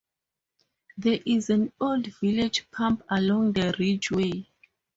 There is an old village pump along the Ridgeway.